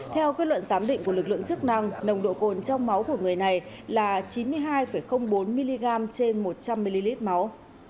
theo quyết luận giám định của lực lượng chức năng nồng độ cồn trong máu của người này là chín mươi hai bốn mg trên một trăm linh ml máu